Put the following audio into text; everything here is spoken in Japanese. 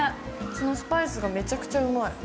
そのスパイスがめちゃくちゃうまい。